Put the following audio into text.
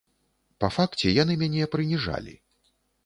Па факце яны мяне прыніжалі.